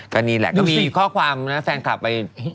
ก็นี่แหละก็มีข้อความนะแฟนคลับไป